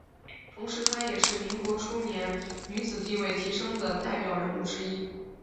同时她也是民国初年女子地位提升的代表人物之一。